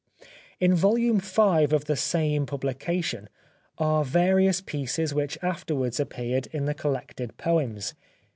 In vol. V. of the same publication are various pieces which afterwards appeared in the col lected poems.